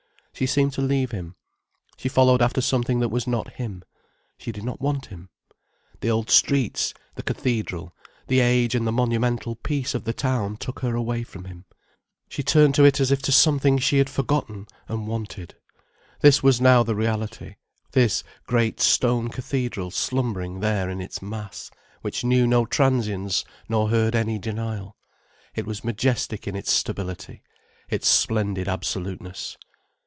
She seemed to leave him. She followed after something that was not him. She did not want him. The old streets, the cathedral, the age and the monumental peace of the town took her away from him. She turned to it as if to something she had forgotten, and wanted. This was now the reality; this great stone cathedral slumbering there in its mass, which knew no transience nor heard any denial. It was majestic in its stability, its splendid absoluteness.